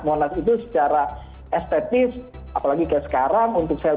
monas itu secara estetis apalagi kayak sekarang untuk sel